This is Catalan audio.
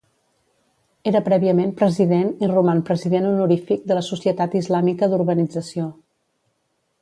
Era prèviament President i roman President Honorífic de la Societat Islàmica d'Urbanització.